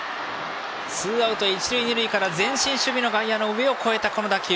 ツーアウト一塁二塁から前進守備の外野の上を越えた打球。